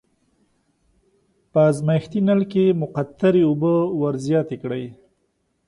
په ازمایښتي نل کې مقطرې اوبه ور زیاتې کړئ.